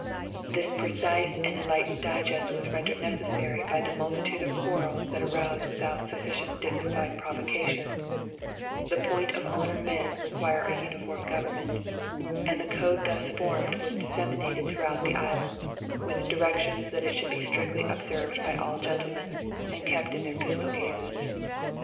This precise and enlightened digest was rendered necessary by the multitude of quarrels that arouse without "sufficient dignified provocation:" the point of honor men required a uniform government; and the code thus formed was disseminated throughout the island, with directions that it should be strictly observed by all gentlemen, and kept in their pistol cases.